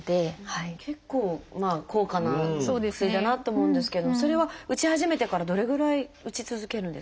結構高価な薬だなと思うんですけれどもそれは打ち始めてからどれぐらい打ち続けるんですか？